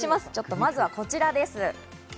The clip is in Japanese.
まずこちらです。